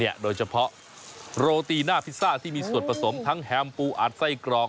โดยเฉพาะโรตีหน้าพิซซ่าที่มีส่วนผสมทั้งแฮมปูอัดไส้กรอก